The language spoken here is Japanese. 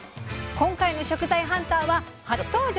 今回の食材ハンターは初登場！